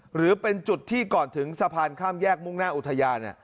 หรือเป็นจุดที่ก่อนถึงสะพานข้ามแยกมุ่งหน้าอุทยาน